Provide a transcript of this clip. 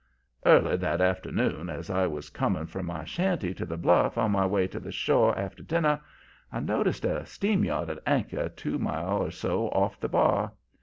"Early that afternoon, as I was coming from my shanty to the bluff on my way to the shore after dinner, I noticed a steam yacht at anchor two mile or so off the bar.